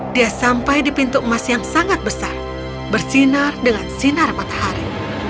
dia sampai di pintu emas yang sangat besar bersinar dengan sinar matahari